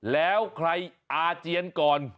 แล้วใครอาเจียนก่อน